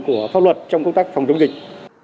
của pháp luật trong công tác phòng chống dịch